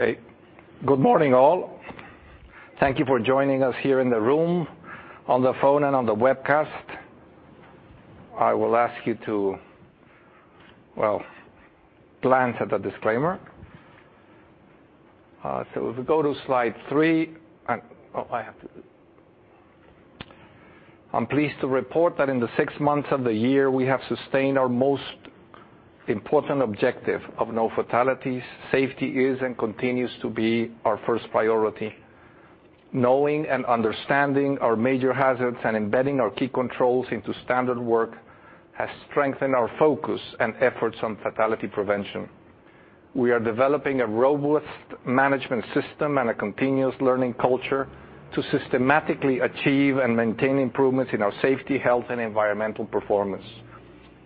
Hey, good morning, all. Thank you for joining us here in the room, on the phone, and on the webcast. I will ask you to glance at the disclaimer. If we go to slide three. I am pleased to report that in the six months of the year, we have sustained our most important objective of no fatalities. Safety is and continues to be our first priority. Knowing and understanding our major hazards and embedding our key controls into standard work has strengthened our focus and efforts on fatality prevention. We are developing a robust management system and a continuous learning culture to systematically achieve and maintain improvements in our safety, health, and environmental performance.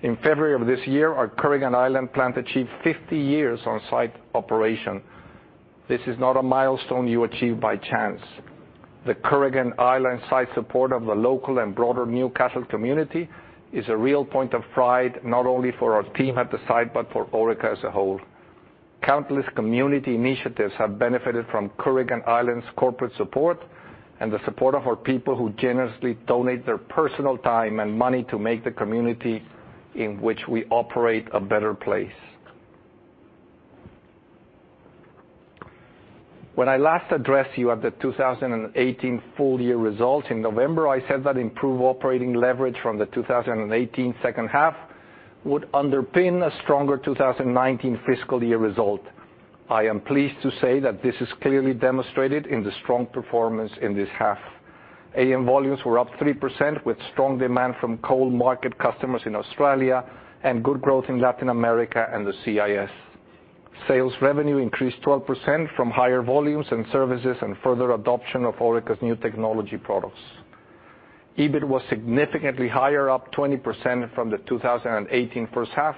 In February of this year, our Kooragang Island plant achieved 50 years on-site operation. This is not a milestone you achieve by chance. The Kooragang Island site support of the local and broader Newcastle community is a real point of pride, not only for our team at the site, but for Orica as a whole. Countless community initiatives have benefited from Kooragang Island's corporate support and the support of our people, who generously donate their personal time and money to make the community in which we operate a better place. When I last addressed you at the 2018 full-year results in November, I said that improved operating leverage from the 2018 second half would underpin a stronger 2019 fiscal year result. I am pleased to say that this is clearly demonstrated in the strong performance in this half. AN volumes were up 3% with strong demand from coal market customers in Australia and good growth in Latin America and the CIS. Sales revenue increased 12% from higher volumes and services and further adoption of Orica's new technology products. EBIT was significantly higher, up 20% from the 2018 first half,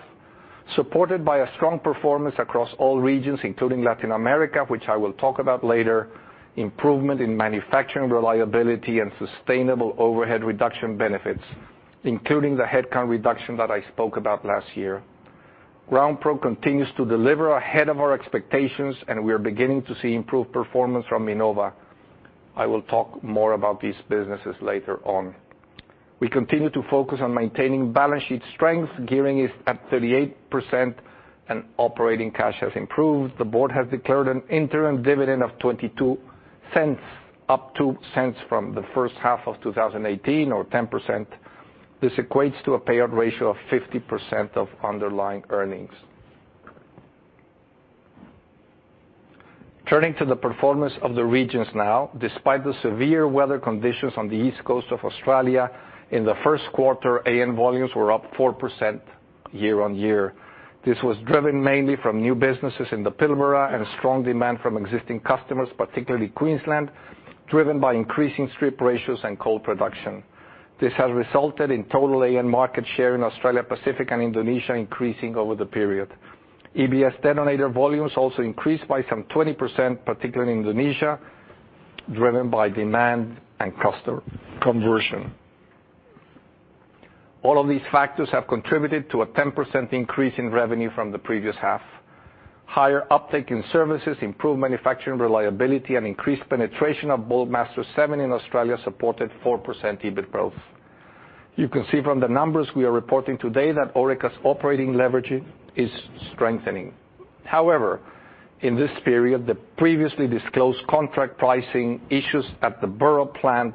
supported by a strong performance across all regions, including Latin America, which I will talk about later, improvement in manufacturing reliability, and sustainable overhead reduction benefits, including the headcount reduction that I spoke about last year. GroundProbe continues to deliver ahead of our expectations, and we are beginning to see improved performance from Minova. I will talk more about these businesses later on. We continue to focus on maintaining balance sheet strength. Gearing is at 38% and operating cash has improved. The board has declared an interim dividend of 0.22, up 0.02 from the first half of 2018 or 10%. This equates to a payout ratio of 50% of underlying earnings. Turning to the performance of the regions now. Despite the severe weather conditions on the east coast of Australia in the first quarter, AN volumes were up 4% year-on-year. This was driven mainly from new businesses in the Pilbara and strong demand from existing customers, particularly Queensland, driven by increasing strip ratios and coal production. This has resulted in total AN market share in Australia, Pacific, and Indonesia increasing over the period. EBS detonator volumes also increased by some 20%, particularly in Indonesia, driven by demand and customer conversion. All of these factors have contributed to a 10% increase in revenue from the previous half. Higher uptake in services, improved manufacturing reliability, and increased penetration of Bulkmaster 7 in Australia supported 4% EBIT growth. You can see from the numbers we are reporting today that Orica's operating leverage is strengthening. In this period, the previously disclosed contract pricing issues at the Burrup plant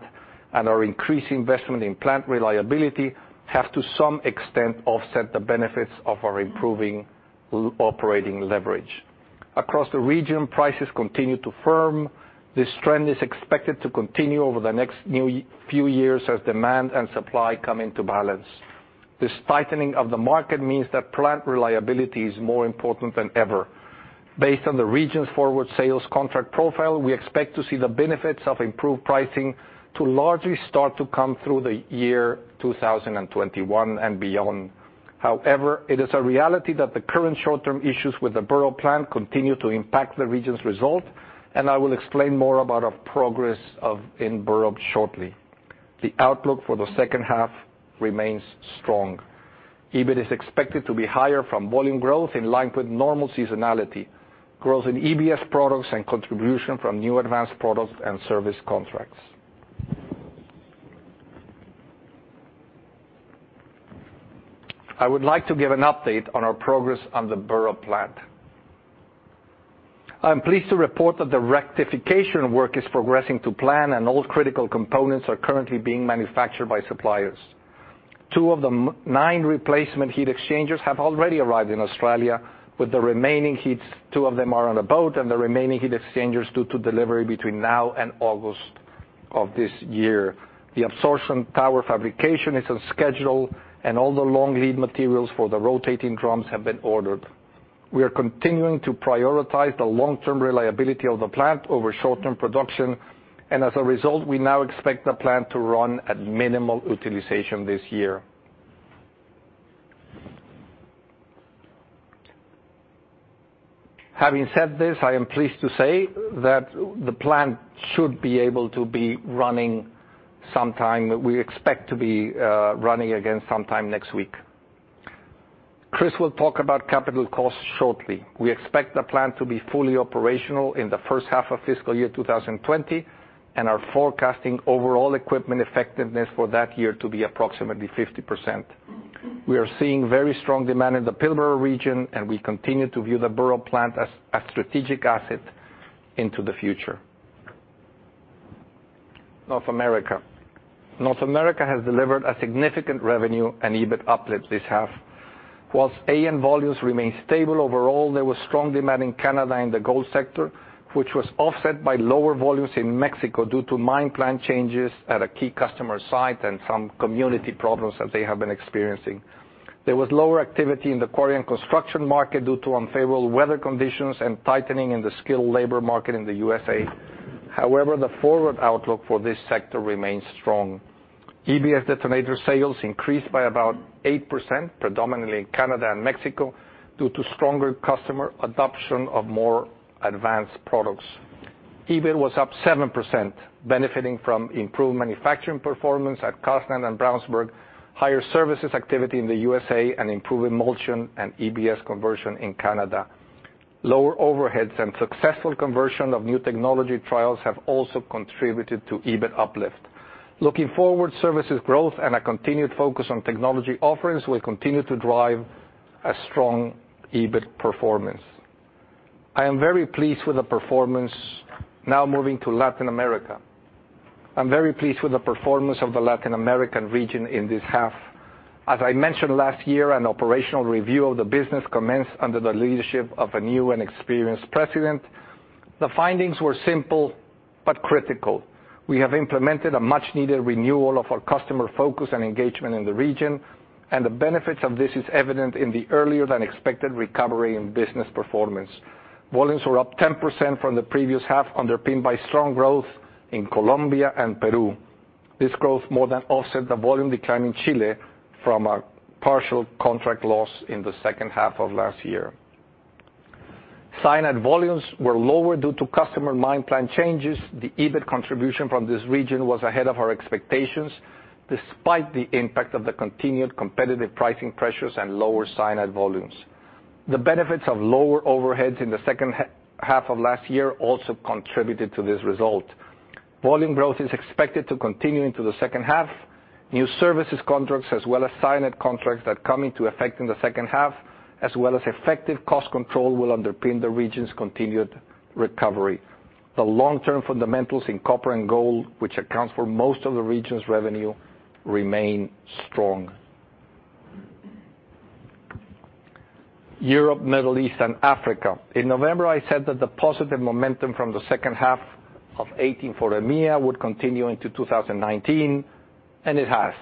and our increased investment in plant reliability have to some extent offset the benefits of our improving operating leverage. Across the region, prices continue to firm. This trend is expected to continue over the next few years as demand and supply come into balance. This tightening of the market means that plant reliability is more important than ever. Based on the region's forward sales contract profile, we expect to see the benefits of improved pricing to largely start to come through 2021 and beyond. It is a reality that the current short-term issues with the Burrup plant continue to impact the region's result, and I will explain more about our progress in Burrup shortly. The outlook for the second half remains strong. EBIT is expected to be higher from volume growth in line with normal seasonality, growth in EBS products, and contribution from new advanced products and service contracts. I would like to give an update on our progress on the Burrup plant. I am pleased to report that the rectification work is progressing to plan, and all critical components are currently being manufactured by suppliers. Two of the nine replacement heat exchangers have already arrived in Australia. Two of them are on a boat, and the remaining heat exchangers are due to delivery between now and August of this year. The absorption tower fabrication is on schedule, and all the long-lead materials for the rotating drums have been ordered. We are continuing to prioritize the long-term reliability of the plant over short-term production, and as a result, we now expect the plant to run at minimal utilization this year. Having said this, I am pleased to say that the plant should be able to be running sometime, we expect to be running again sometime next week. Chris will talk about capital costs shortly. We expect the plant to be fully operational in the first half of FY 2020, and are forecasting overall equipment effectiveness for that year to be approximately 50%. We are seeing very strong demand in the Pilbara region, and we continue to view the Burrup plant as a strategic asset into the future. North America. North America has delivered a significant revenue and EBIT uplift this half. Whilst AN volumes remain stable overall, there was strong demand in Canada in the gold sector, which was offset by lower volumes in Mexico due to mine plan changes at a key customer site and some community problems that they have been experiencing. There was lower activity in the quarry and construction market due to unfavorable weather conditions and tightening in the skilled labor market in the U.S.A. The forward outlook for this sector remains strong. EBS detonator sales increased by about 8%, predominantly in Canada and Mexico, due to stronger customer adoption of more advanced products. EBIT was up 7%, benefiting from improved manufacturing performance at Carseland and Brownsburg, higher services activity in the U.S.A., and improved emulsion and EBS conversion in Canada. Lower overheads and successful conversion of new technology trials have also contributed to EBIT uplift. Looking forward, services growth and a continued focus on technology offerings will continue to drive a strong EBIT performance. Now moving to Latin America. I'm very pleased with the performance of the Latin American region in this half. As I mentioned last year, an operational review of the business commenced under the leadership of a new and experienced president. The findings were simple but critical. The benefits of this is evident in the earlier-than-expected recovery in business performance. Volumes were up 10% from the previous half, underpinned by strong growth in Colombia and Peru. This growth more than offset the volume decline in Chile from a partial contract loss in the second half of last year. cyanide volumes were lower due to customer mine plan changes. The EBIT contribution from this region was ahead of our expectations, despite the impact of the continued competitive pricing pressures and lower cyanide volumes. The benefits of lower overheads in the second half of last year also contributed to this result. Volume growth is expected to continue into the second half. New services contracts, as well as cyanide contracts that come into effect in the second half, as well as effective cost control, will underpin the region's continued recovery. The long-term fundamentals in copper and gold, which accounts for most of the region's revenue, remain strong. Europe, Middle East, and Africa. In November, I said that the positive momentum from the second half of 2018 for EMEA would continue into 2019. It has.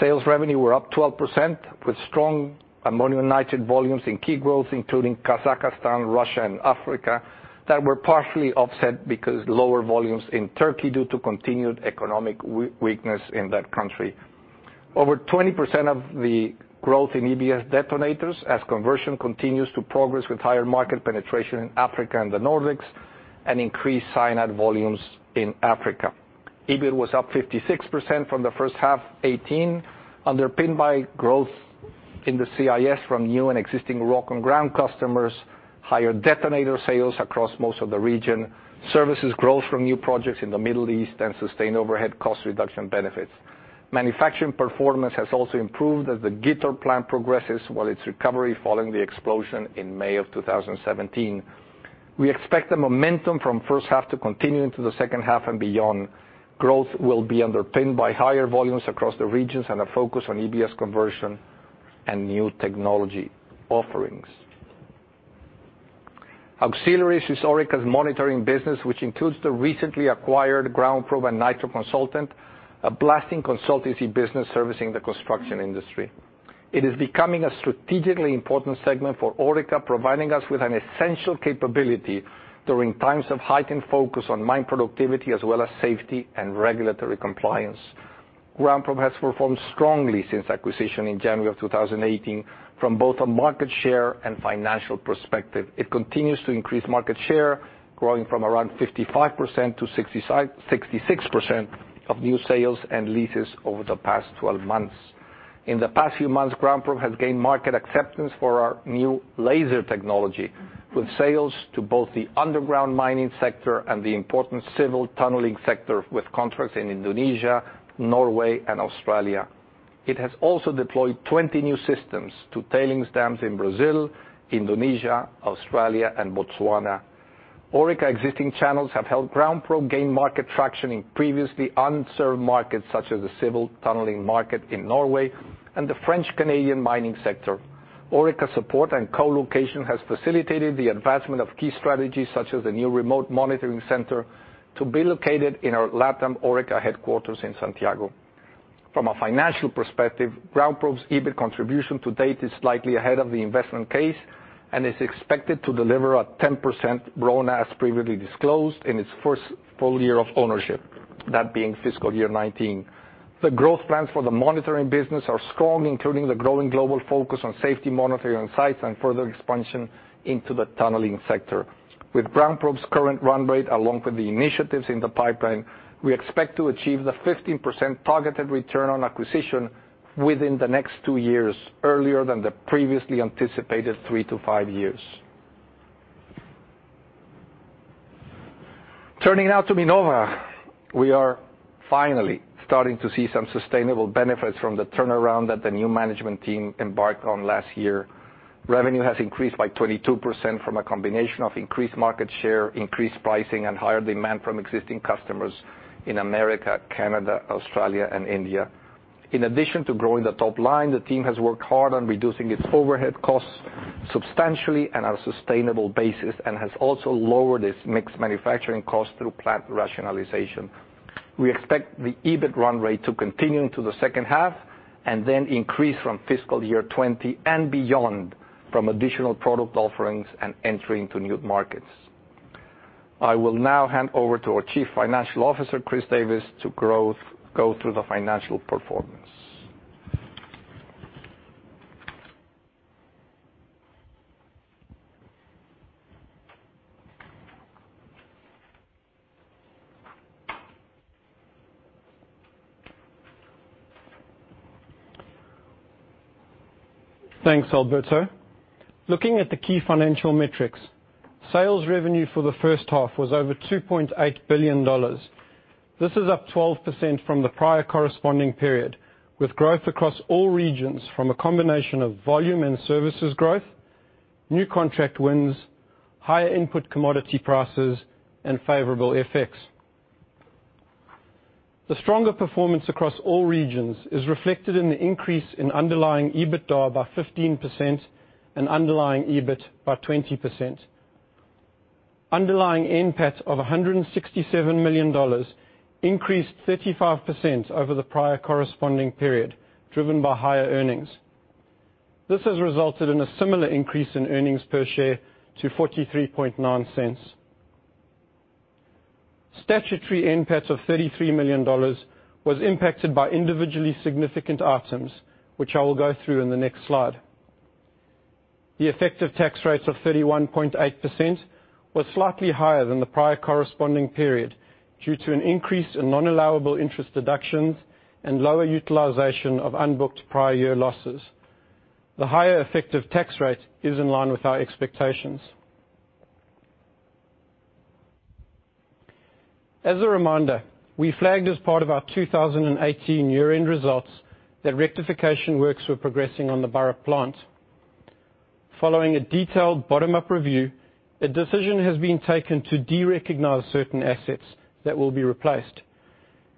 Sales revenue were up 12%, with strong ammonium nitrate volumes in key growth, including Kazakhstan, Russia, and Africa, that were partially offset because lower volumes in Turkey due to continued economic weakness in that country. Over 20% of the growth in EBS detonators as conversion continues to progress with higher market penetration in Africa and the Nordics, and increased cyanide volumes in Africa. EBIT was up 56% from the first half 2018, underpinned by growth in the CIS from new and existing rock and ground customers, higher detonator sales across most of the region, services growth from new projects in the Middle East. Sustained overhead cost reduction benefits. Manufacturing performance has also improved as the Gyttorp plant progresses while its recovery following the explosion in May of 2017. We expect the momentum from first half to continue into the second half and beyond. Growth will be underpinned by higher volumes across the regions and a focus on EBS conversion and new technology offerings. Auxiliaries is Orica's monitoring business, which includes the recently acquired GroundProbe and Nitro Consult, a blasting consultancy business servicing the construction industry. It is becoming a strategically important segment for Orica, providing us with an essential capability during times of heightened focus on mine productivity, as well as safety and regulatory compliance. GroundProbe has performed strongly since acquisition in January of 2018 from both a market share and financial perspective. It continues to increase market share, growing from around 55% to 66% of new sales and leases over the past 12 months. In the past few months, GroundProbe has gained market acceptance for our new laser technology with sales to both the underground mining sector and the important civil tunneling sector with contracts in Indonesia, Norway, and Australia. It has also deployed 20 new systems to tailings dams in Brazil, Indonesia, Australia, and Botswana. Orica existing channels have helped GroundProbe gain market traction in previously unserved markets, such as the civil tunneling market in Norway and the French-Canadian mining sector. Orica support and co-location has facilitated the advancement of key strategies, such as the new remote monitoring center to be located in our Latam Orica headquarters in Santiago. From a financial perspective, GroundProbe's EBIT contribution to date is slightly ahead of the investment case and is expected to deliver a 10% ROINA as previously disclosed in its first full year of ownership, that being fiscal year 2019. The growth plans for the monitoring business are strong, including the growing global focus on safety monitoring on sites and further expansion into the tunneling sector. With GroundProbe's current run rate, along with the initiatives in the pipeline, we expect to achieve the 15% targeted return on acquisition within the next two years, earlier than the previously anticipated three to five years. Turning now to Minova. We are finally starting to see some sustainable benefits from the turnaround that the new management team embarked on last year. Revenue has increased by 22% from a combination of increased market share, increased pricing, and higher demand from existing customers in America, Canada, Australia, and India. In addition to growing the top line, the team has worked hard on reducing its overhead costs substantially in our sustainable basis, and has also lowered its mixed manufacturing costs through plant rationalization. We expect the EBIT run rate to continue into the second half, and then increase from fiscal year 2020 and beyond from additional product offerings and entry into new markets. I will now hand over to our Chief Financial Officer, Chris Davis, to go through the financial performance. Thanks, Alberto. Looking at the key financial metrics, sales revenue for the first half was over 2.8 billion dollars. This is up 12% from the prior corresponding period, with growth across all regions from a combination of volume and services growth, new contract wins, higher input commodity prices, and favorable FX. The stronger performance across all regions is reflected in the increase in underlying EBITDA by 15% and underlying EBIT by 20%. Underlying NPAT of 167 million dollars increased 35% over the prior corresponding period, driven by higher earnings. This has resulted in a similar increase in earnings per share to 0.439. Statutory NPAT of 33 million dollars was impacted by individually significant items, which I will go through in the next slide. The effective tax rates of 31.8% was slightly higher than the prior corresponding period due to an increase in non-allowable interest deductions and lower utilization of unbooked prior year losses. The higher effective tax rate is in line with our expectations. As a reminder, we flagged as part of our 2018 year-end results that rectification works were progressing on the Burrup plant. Following a detailed bottom-up review, a decision has been taken to derecognize certain assets that will be replaced,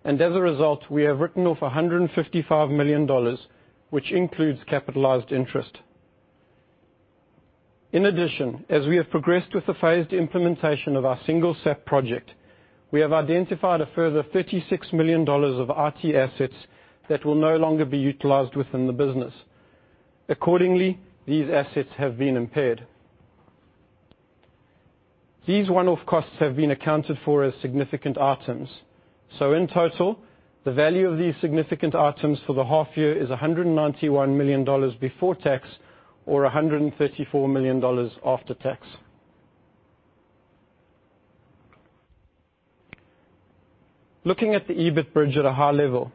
and as a result, we have written off 155 million dollars, which includes capitalized interest. In addition, as we have progressed with the phased implementation of our single SAP project, we have identified a further 36 million dollars of IT assets that will no longer be utilized within the business. Accordingly, these assets have been impaired. These one-off costs have been accounted for as significant items. In total, the value of these significant items for the half year is 191 million dollars before tax or 134 million dollars after tax. Looking at the EBIT bridge at a high level,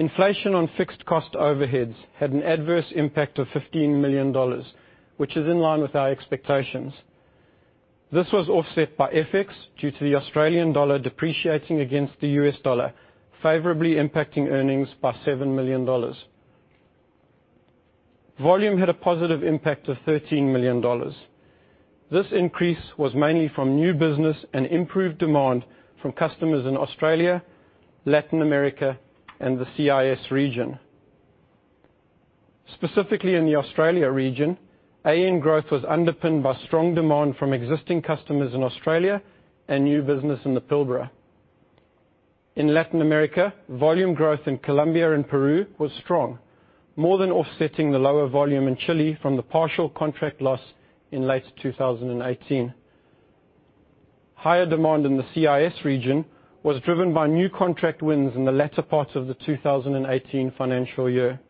inflation on fixed cost overheads had an adverse impact of 15 million dollars, which is in line with our expectations. This was offset by FX due to the Australian dollar depreciating against the US dollar, favorably impacting earnings by 7 million dollars. Volume had a positive impact of 13 million dollars. This increase was mainly from new business and improved demand from customers in Australia, Latin America, and the CIS region. Specifically in the Australia region, AN growth was underpinned by strong demand from existing customers in Australia and new business in the Pilbara. In Latin America, volume growth in Colombia and Peru was strong, more than offsetting the lower volume in Chile from the partial contract loss in late 2018. Higher demand in the CIS region was driven by new contract wins in the latter part of the 2018 financial year.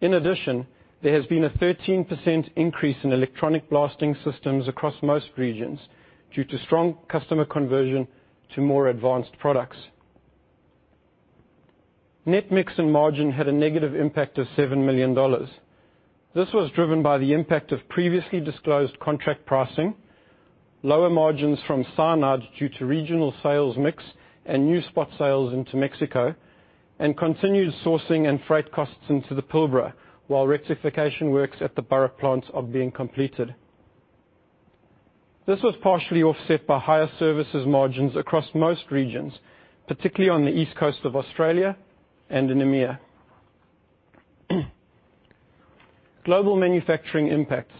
In addition, there has been a 13% increase in Electronic Blasting Systems across most regions due to strong customer conversion to more advanced products. Net mix and margin had a negative impact of 7 million dollars. This was driven by the impact of previously disclosed contract pricing, lower margins from cyanide due to regional sales mix and new spot sales into Mexico, and continued sourcing and freight costs into the Pilbara while rectification works at the Burrup plant are being completed. This was partially offset by higher services margins across most regions, particularly on the East Coast of Australia and in EMEA. Global manufacturing impacts.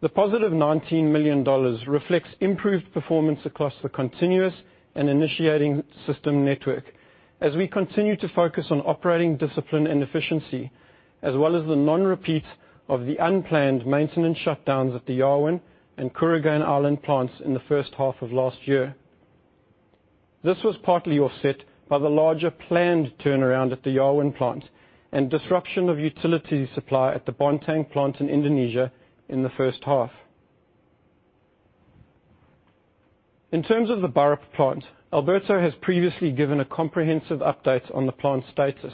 The positive 19 million dollars reflects improved performance across the continuous and initiating system network as we continue to focus on operating discipline and efficiency, as well as the non-repeat of the unplanned maintenance shutdowns at the Yarwun and Kooragang Island plants in the first half of last year. This was partly offset by the larger planned turnaround at the Yarwun plant and disruption of utility supply at the Bontang plant in Indonesia in the first half. In terms of the Burrup plant, Alberto has previously given a comprehensive update on the plant status.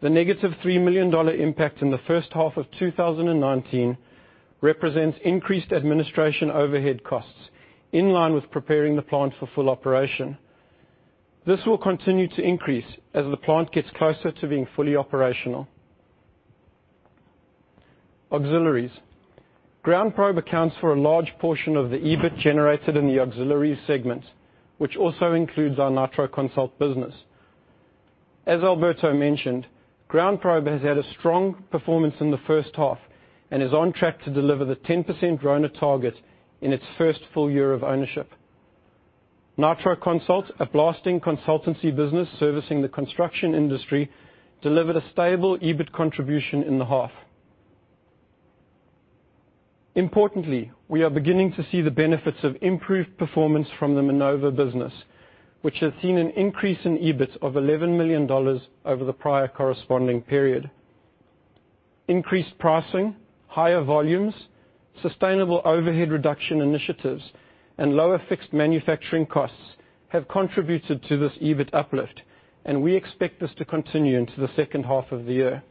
The negative 3 million dollar impact in the first half of 2019 represents increased administration overhead costs, in line with preparing the plant for full operation. This will continue to increase as the plant gets closer to being fully operational. Auxiliaries. GroundProbe accounts for a large portion of the EBIT generated in the Auxiliaries segment, which also includes our Nitro Consult business. As Alberto mentioned, GroundProbe has had a strong performance in the first half and is on track to deliver the 10% growth target in its first full year of ownership. Nitro Consult, a blasting consultancy business servicing the construction industry, delivered a stable EBIT contribution in the half. Importantly, we are beginning to see the benefits of improved performance from the Minova business, which has seen an increase in EBIT of 11 million dollars over the prior corresponding period. Increased pricing, higher volumes, sustainable overhead reduction initiatives, and lower fixed manufacturing costs have contributed to this EBIT uplift, and we expect this to continue into the second half of the year.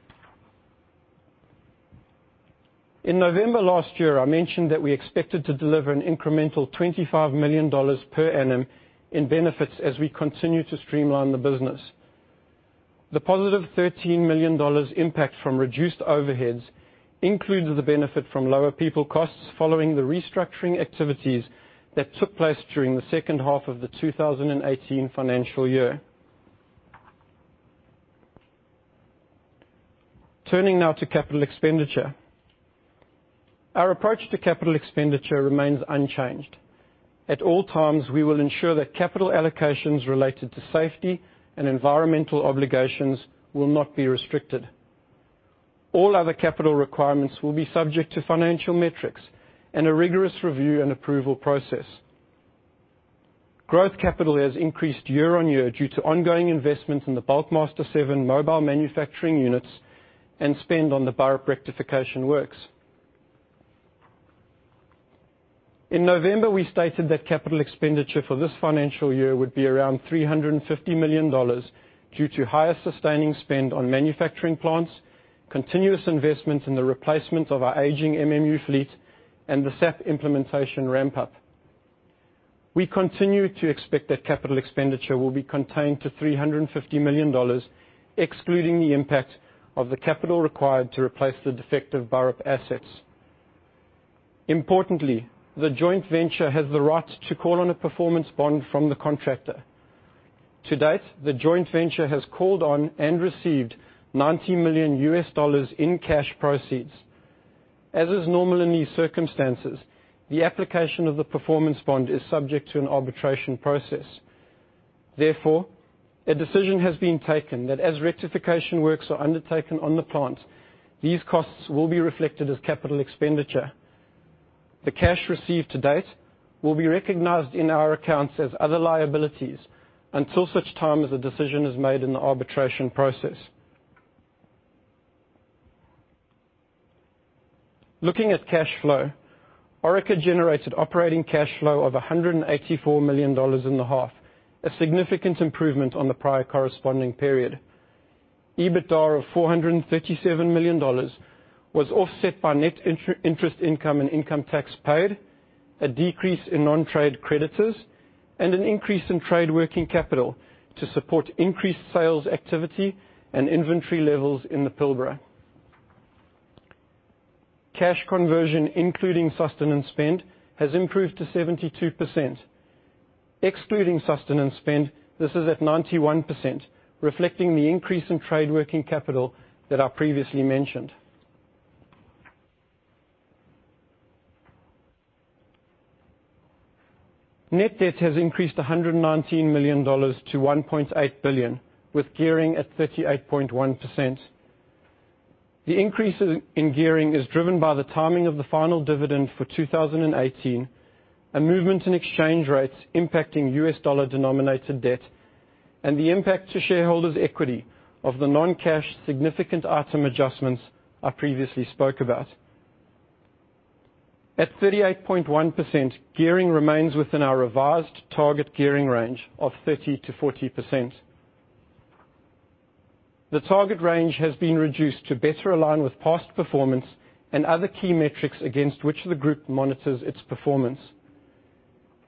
In November last year, I mentioned that we expected to deliver an incremental 25 million dollars per annum in benefits as we continue to streamline the business. The positive 13 million dollars impact from reduced overheads includes the benefit from lower people costs following the restructuring activities that took place during the second half of the 2018 financial year. Turning now to capital expenditure. Our approach to capital expenditure remains unchanged. At all times, we will ensure that capital allocations related to safety and environmental obligations will not be restricted. All other capital requirements will be subject to financial metrics and a rigorous review and approval process. Growth capital has increased year-on-year due to ongoing investments in the Bulkmaster 7 mobile manufacturing units and spend on the Burrup rectification works. In November, we stated that capital expenditure for this financial year would be around 350 million dollars due to higher sustaining spend on manufacturing plants, continuous investments in the replacement of our aging MMU fleet, and the SAP implementation ramp-up. We continue to expect that capital expenditure will be contained to 350 million dollars, excluding the impact of the capital required to replace the defective Burrup assets. Importantly, the joint venture has the right to call on a performance bond from the contractor. To date, the joint venture has called on and received AUD 90 million in cash proceeds. As is normal in these circumstances, the application of the performance bond is subject to an arbitration process. Therefore, a decision has been taken that as rectification works are undertaken on the plant, these costs will be reflected as capital expenditure. The cash received to date will be recognized in our accounts as other liabilities until such time as a decision is made in the arbitration process. Looking at cash flow. Orica generated operating cash flow of 184 million dollars in the half, a significant improvement on the prior corresponding period. EBITDA of 437 million dollars was offset by net interest income and income tax paid, a decrease in non-trade creditors, and an increase in trade working capital to support increased sales activity and inventory levels in the Pilbara. Cash conversion, including sustenance spend, has improved to 72%. Excluding sustenance spend, this is at 91%, reflecting the increase in trade working capital that I previously mentioned. Net debt has increased 119 million dollars to 1.8 billion, with gearing at 38.1%. The increase in gearing is driven by the timing of the final dividend for 2018, a movement in exchange rates impacting US dollar-denominated debt, and the impact to shareholders' equity of the non-cash significant item adjustments I previously spoke about. At 38.1%, gearing remains within our revised target gearing range of 30%-40%. The target range has been reduced to better align with past performance and other key metrics against which the group monitors its performance.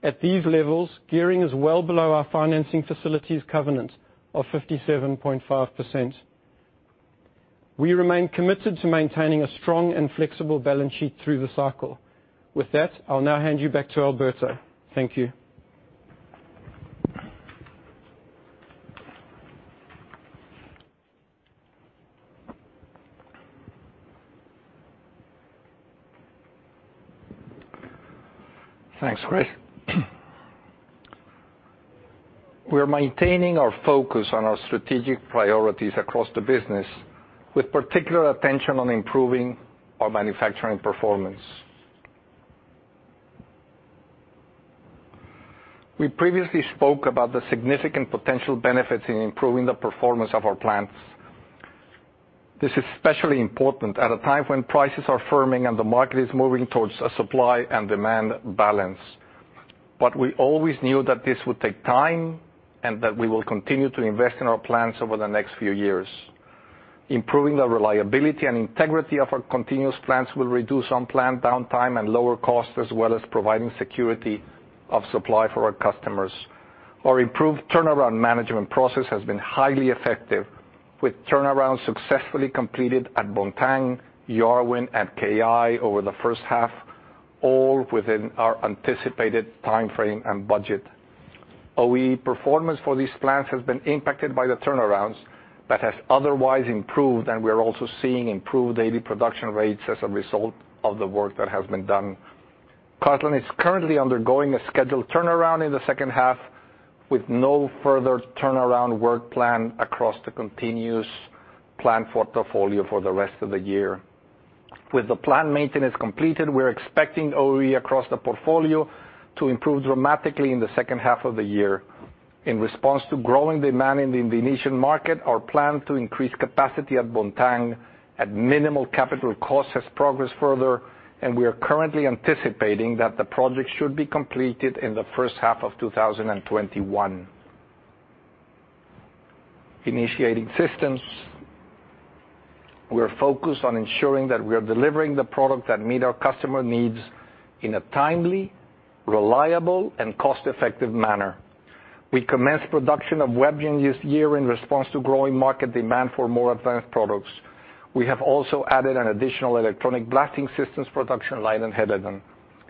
At these levels, gearing is well below our financing facilities covenant of 57.5%. We remain committed to maintaining a strong and flexible balance sheet through the cycle. With that, I'll now hand you back to Alberto. Thank you. Thanks, Chris. We are maintaining our focus on our strategic priorities across the business with particular attention on improving our manufacturing performance. We previously spoke about the significant potential benefits in improving the performance of our plants. This is especially important at a time when prices are firming and the market is moving towards a supply and demand balance. We always knew that this would take time, and that we will continue to invest in our plants over the next few years. Improving the reliability and integrity of our continuous plants will reduce unplanned downtime and lower costs, as well as providing security of supply for our customers. Our improved turnaround management process has been highly effective, with turnarounds successfully completed at Bontang, Yarwun, and KAI over the first half, all within our anticipated timeframe and budget. OEE performance for these plants has been impacted by the turnarounds, but has otherwise improved, and we are also seeing improved daily production rates as a result of the work that has been done. Carseland is currently undergoing a scheduled turnaround in the second half, with no further turnaround work planned across the continuous plant portfolio for the rest of the year. With the planned maintenance completed, we are expecting OEE across the portfolio to improve dramatically in the second half of the year. In response to growing demand in the Indonesian market, our plan to increase capacity at Bontang at minimal capital cost has progressed further, and we are currently anticipating that the project should be completed in the first half of 2021. Initiating systems. We are focused on ensuring that we are delivering the product that meet our customer needs in a timely, reliable, and cost-effective manner. We commenced production of WebGen this year in response to growing market demand for more advanced products. We have also added an additional electronic blasting systems production line in Helidon.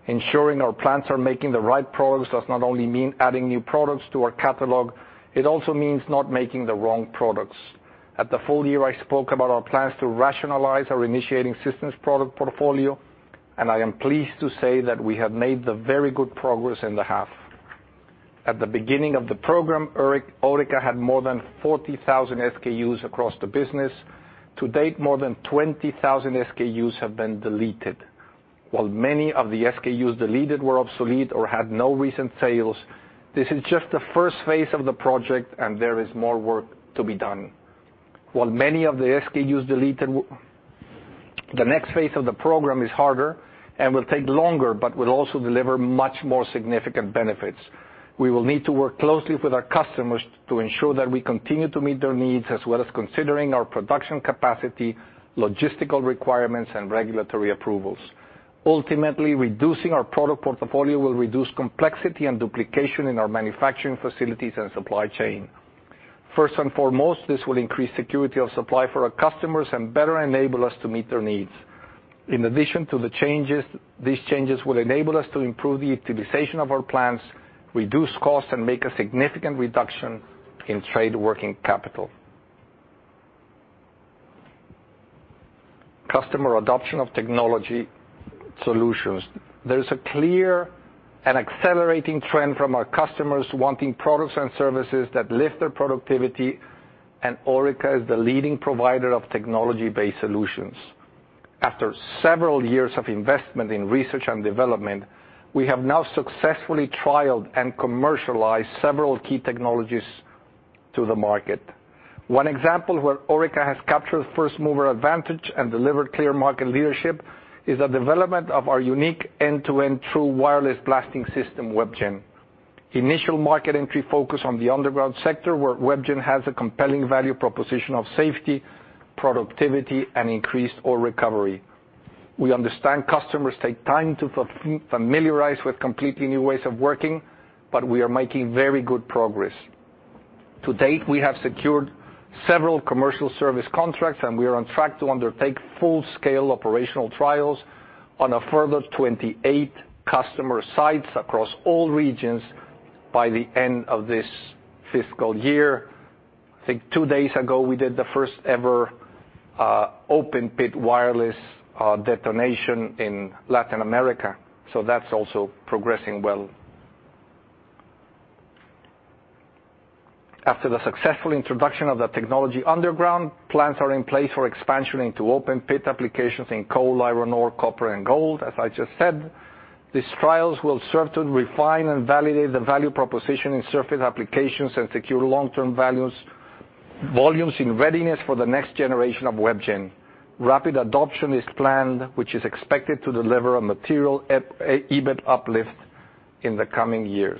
Ensuring our plants are making the right products does not only mean adding new products to our catalog, it also means not making the wrong products. At the full year, I spoke about our plans to rationalize our initiating systems product portfolio, and I am pleased to say that we have made the very good progress in the half. At the beginning of the program, Orica had more than 40,000 SKUs across the business. To date, more than 20,000 SKUs have been deleted. While many of the SKUs deleted were obsolete or had no recent sales, this is just the first phase of the project, and there is more work to be done. The next phase of the program is harder and will take longer, but will also deliver much more significant benefits. We will need to work closely with our customers to ensure that we continue to meet their needs, as well as considering our production capacity, logistical requirements, and regulatory approvals. Ultimately, reducing our product portfolio will reduce complexity and duplication in our manufacturing facilities and supply chain. First and foremost, this will increase security of supply for our customers and better enable us to meet their needs. In addition to the changes, these changes will enable us to improve the utilization of our plants, reduce costs, and make a significant reduction in trade working capital. Customer adoption of technology solutions. There is a clear and accelerating trend from our customers wanting products and services that lift their productivity, and Orica is the leading provider of technology-based solutions. After several years of investment in research and development, we have now successfully trialed and commercialized several key technologies to the market. One example where Orica has captured first-mover advantage and delivered clear market leadership is the development of our unique end-to-end true wireless blasting system, WebGen. Initial market entry focus on the underground sector, where WebGen has a compelling value proposition of safety, productivity, and increased ore recovery. We understand customers take time to familiarize with completely new ways of working, but we are making very good progress. To date, we have secured several commercial service contracts, and we are on track to undertake full-scale operational trials on a further 28 customer sites across all regions by the end of this fiscal year. I think two days ago, we did the first ever open pit wireless detonation in Latin America. That's also progressing well. After the successful introduction of the technology underground, plans are in place for expansion into open pit applications in coal, iron ore, copper, and gold, as I just said. These trials will serve to refine and validate the value proposition in surface applications and secure long-term volumes in readiness for the next generation of WebGen. Rapid adoption is planned, which is expected to deliver a material EBIT uplift in the coming years.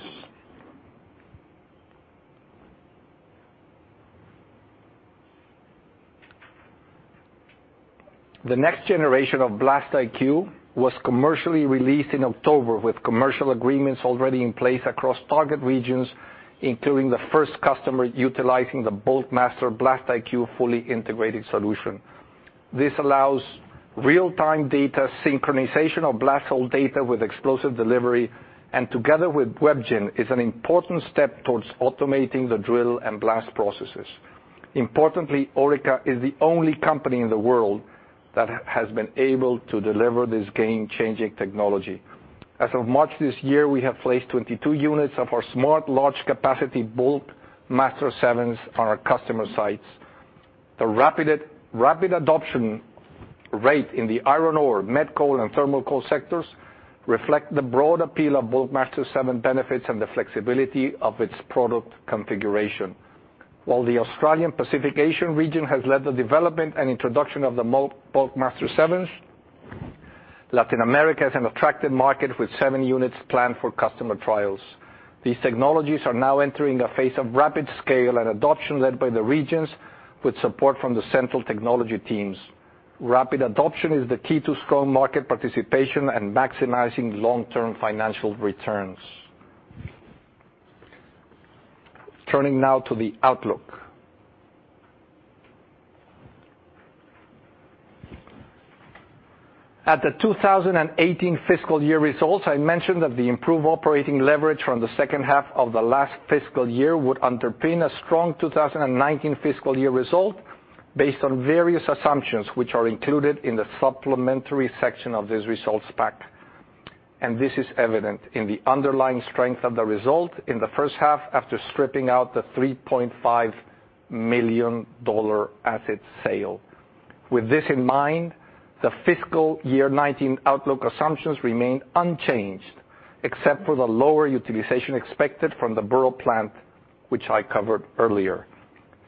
The next generation of BlastIQ was commercially released in October, with commercial agreements already in place across target regions, including the first customer utilizing the Bulkmaster BlastIQ fully integrated solution. This allows real-time data synchronization of blast hole data with explosive delivery, and together with WebGen, is an important step towards automating the drill and blast processes. Importantly, Orica is the only company in the world that has been able to deliver this game-changing technology. As of March this year, we have placed 22 units of our smart large capacity Bulkmaster 7s on our customer sites. The rapid adoption rate in the iron ore, met coal, and thermal coal sectors reflect the broad appeal of Bulkmaster 7 benefits and the flexibility of its product configuration. While the Australian Pacific Asian region has led the development and introduction of the Bulkmaster 7s, Latin America is an attractive market with seven units planned for customer trials. These technologies are now entering a phase of rapid scale and adoption led by the regions with support from the central technology teams. Rapid adoption is the key to strong market participation and maximizing long-term financial returns. Turning now to the outlook. At the FY 2018 results, I mentioned that the improved operating leverage from the second half of the last fiscal year would underpin a strong FY 2019 result based on various assumptions, which are included in the supplementary section of this results pack. This is evident in the underlying strength of the result in the first half after stripping out the 3.5 million dollar asset sale. With this in mind, the FY 2019 outlook assumptions remain unchanged, except for the lower utilization expected from the Burrup plant, which I covered earlier.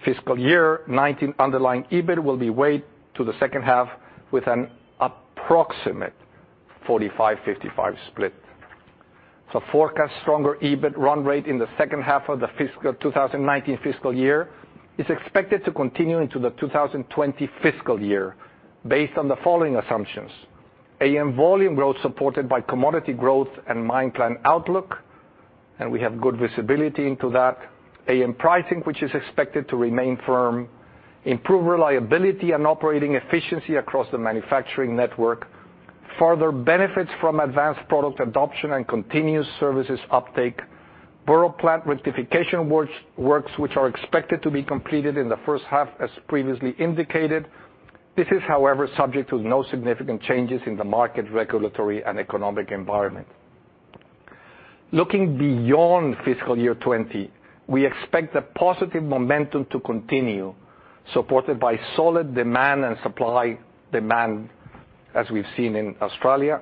FY 2019 underlying EBIT will be weighed to the second half with an approximate 45/55 split. Forecast stronger EBIT run rate in the second half of the FY 2019 is expected to continue into the FY 2020 based on the following assumptions. AN volume growth supported by commodity growth and mine plan outlook, we have good visibility into that. AN pricing, which is expected to remain firm, improve reliability and operating efficiency across the manufacturing network. Further benefits from advanced product adoption and continuous services uptake. Burrup plant rectification works, which are expected to be completed in the first half, as previously indicated. This is, however, subject to no significant changes in the market regulatory and economic environment. Looking beyond FY 2020, we expect the positive momentum to continue, supported by solid demand and supply demand, as we've seen in Australia.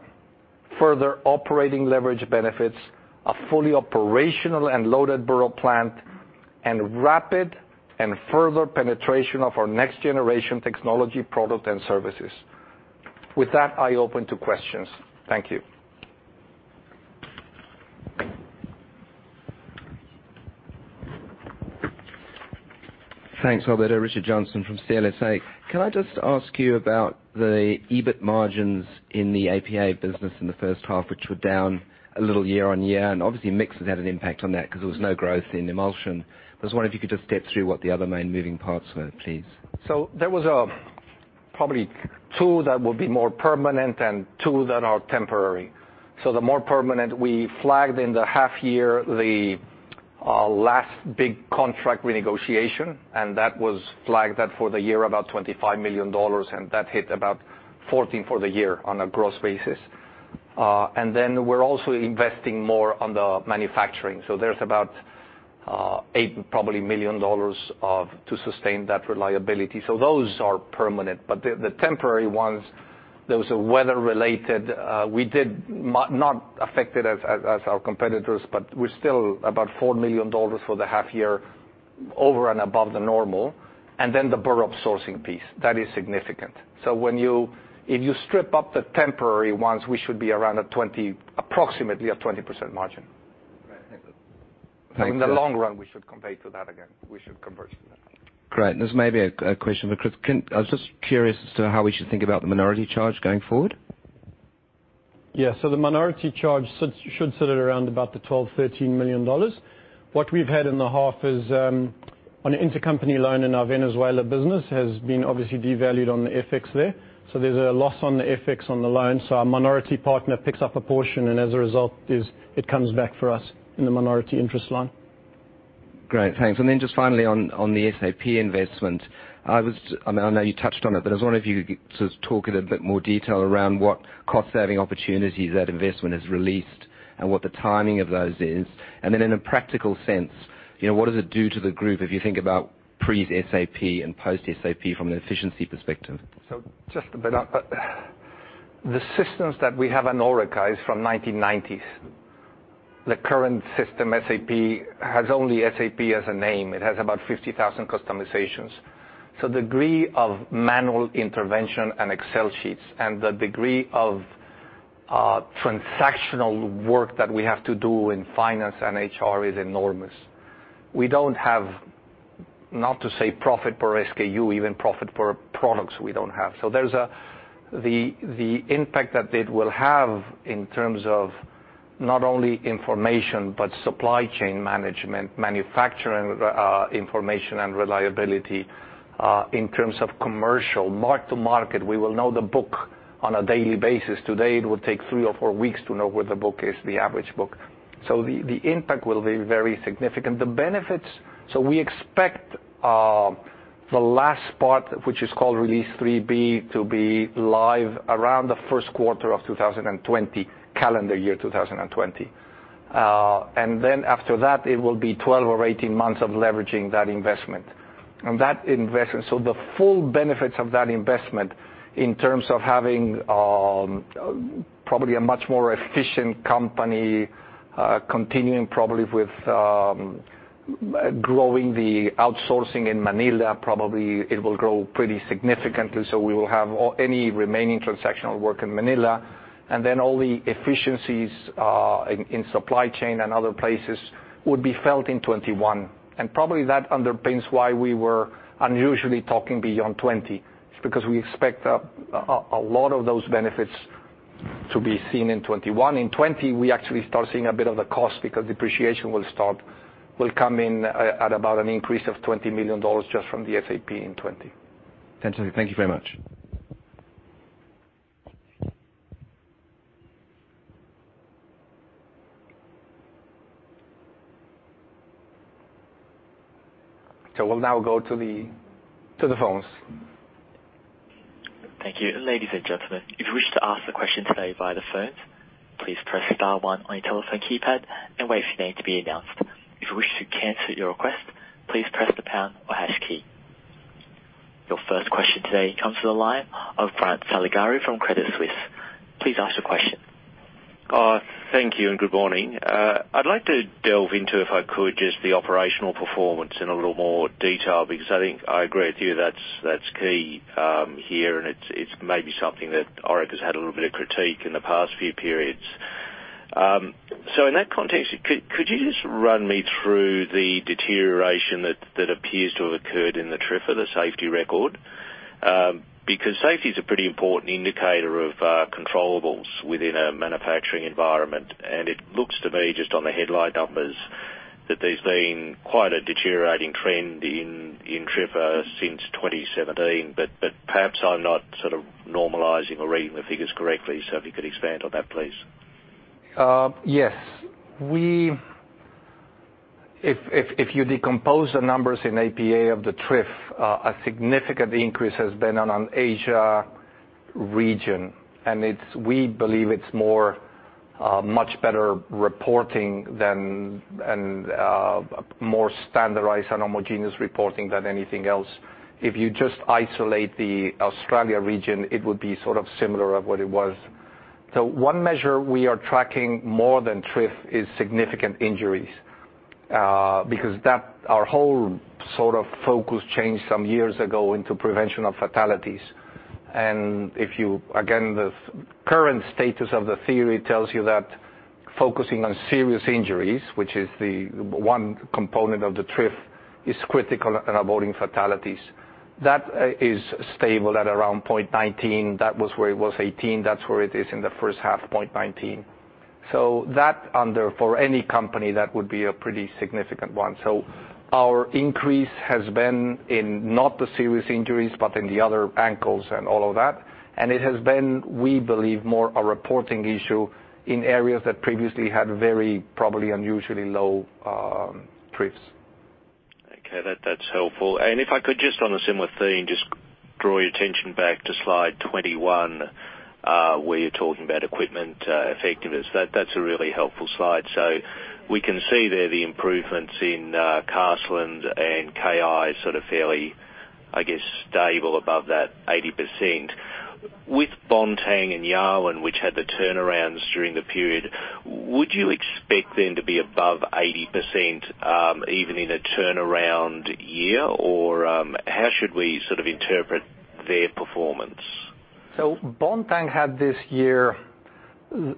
Further operating leverage benefits, a fully operational and loaded Burrup plant, and rapid and further penetration of our next-generation technology product and services. With that, I open to questions. Thank you. Thanks, Alberto. Richard Johnson from CLSA. Can I just ask you about the EBIT margins in the APA business in the first half, which were down a little year-on-year. Obviously mix has had an impact on that because there was no growth in emulsion. I was wondering if you could just step through what the other main moving parts were, please. There was probably two that will be more permanent and two that are temporary. The more permanent we flagged in the half year, the last big contract renegotiation, that was flagged that for the year about 25 million dollars, that hit about 14 for the year on a gross basis. We're also investing more on the manufacturing. There's about 8 probably million to sustain that reliability. Those are permanent, but the temporary ones, those are weather-related. We did not affected as our competitors, but we're still about 4 million dollars for the half year over and above the normal, and then the Burrup sourcing piece. That is significant. If you strip up the temporary ones, we should be around at 20, approximately a 20% margin. Right. Thank you. In the long run, we should compare to that again. We should converge to that. Great. This may be a question for Chris. I was just curious as to how we should think about the minority charge going forward. The minority charge should sit at around about the 12 million, 13 million dollars. What we've had in the half is on an intercompany loan in our Venezuela business has been obviously devalued on the FX there. There's a loss on the FX on the loan. Our minority partner picks up a portion, and as a result is it comes back for us in the minority interest line. Great, thanks. Then just finally on the SAP investment. I know you touched on it, but I was wondering if you could sort of talk in a bit more detail around what cost-saving opportunities that investment has released and what the timing of those is. Then in a practical sense, what does it do to the group if you think about pre-SAP and post-SAP from an efficiency perspective? Just a bit. The systems that we have in Orica is from 1990s. The current system, SAP, has only SAP as a name. It has about 50,000 customizations. Degree of manual intervention and Excel sheets and the degree of transactional work that we have to do in finance and HR is enormous. We don't have, not to say profit per SKU, even profit per products, we don't have. The impact that it will have in terms of not only information but supply chain management, manufacturing information and reliability, in terms of commercial mark to market, we will know the book on a daily basis. Today, it will take three or four weeks to know where the book is, the average book. The impact will be very significant. We expect the last part, which is called Release 3B, to be live around the first quarter of 2020, calendar year 2020. After that, it will be 12 or 18 months of leveraging that investment. The full benefits of that investment in terms of having probably a much more efficient company continuing probably with growing the outsourcing in Manila, probably it will grow pretty significantly, so we will have any remaining transactional work in Manila. All the efficiencies in supply chain and other places would be felt in 2021. Probably that underpins why we were unusually talking beyond 2020. It's because we expect a lot of those benefits to be seen in 2021. In 2020, we actually start seeing a bit of a cost because depreciation will come in at about an increase of AUD 20 million just from the SAP in 2020. Alberto, thank you very much. We'll now go to the phones. Thank you. Ladies and gentlemen, if you wish to ask a question today via the phones, please press star one on your telephone keypad and wait for your name to be announced. If you wish to cancel your request, please press the pound or hash key. Your first question today comes to the line of Grant Saligari from Credit Suisse. Please ask the question. Thank you, and good morning. I'd like to delve into, if I could, just the operational performance in a little more detail, because I think I agree with you, that's key here, and it's maybe something that Orica has had a little bit of critique in the past few periods. In that context, could you just run me through the deterioration that appears to have occurred in the TRIF or the safety record? Because safety is a pretty important indicator of controllables within a manufacturing environment. It looks to me, just on the headline numbers, that there's been quite a deteriorating trend in TRIF since 2017. Perhaps I'm not sort of normalizing or reading the figures correctly, so if you could expand on that, please. Yes. If you decompose the numbers in APA of the TRIF, a significant increase has been on Asia region, and we believe it's much better reporting than, and more standardized and homogeneous reporting than anything else. If you just isolate the Australia region, it would be sort of similar of what it was. One measure we are tracking more than TRIF is significant injuries, because our whole sort of focus changed some years ago into prevention of fatalities. Again, the current status of the theory tells you that focusing on serious injuries, which is the one component of the TRIF, is critical in avoiding fatalities. That is stable at around 0.19. That was where it was 2018. That's where it is in the first half, 0.19. That for any company, that would be a pretty significant one. Our increase has been in not the serious injuries, but in the other ankles and all of that. It has been, we believe, more a reporting issue in areas that previously had very, probably unusually low TRIFs. Okay. That's helpful. If I could just on a similar theme, just draw your attention back to slide 21, where you're talking about equipment effectiveness. That's a really helpful slide. We can see there the improvements in Carseland and KI sort of fairly, I guess, stable above that 80%. With Bontang and Yarwun, which had the turnarounds during the period, would you expect them to be above 80% even in a turnaround year, or how should we sort of interpret their performance? Bontang had this year